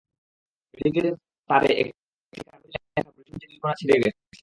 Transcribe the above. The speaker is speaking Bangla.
ব্যারিকেডের তারে একটি কাগজে ইংরেজিতে লেখাটি বৃষ্টিতে ভিজে দুই কোনা ছিঁড়ে গেছে।